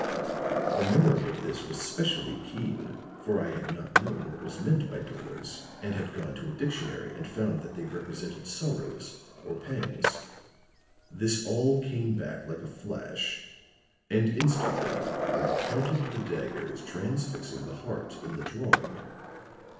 The memory of this was specially keen, for I had not known what was meant by dolors, and had gone to a dictionary and found that they represented sorrows or pangs. This all came back like a flash, and instantly I counted the daggers transfixing the heart in the drawing.